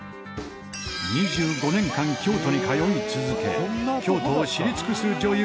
２５年間京都に通い続け京都を知り尽くす女優